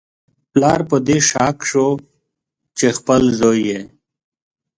پلار په دې شاک شو چې خپل زوی یې